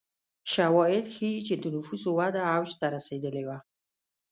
شواهد ښيي چې د نفوسو وده اوج ته رسېدلې وه.